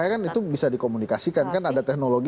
ya itu makanya kan bisa dikomunikasikan kan ada teknologi